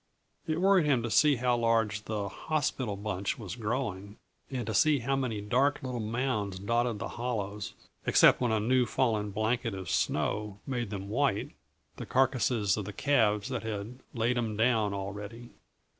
It worried him to see how large the "hospital bunch" was growing, and to see how many dark little mounds dotted the hollows, except when a new fallen blanket of snow made them white the carcasses of the calves that had "laid 'em down" already.